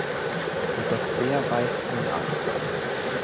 Doch der weist ihn ab.